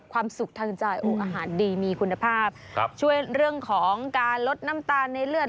ความสุขทางจ่ายโอ้อาหารดีมีคุณภาพครับช่วยเรื่องของการลดน้ำตาลในเลือด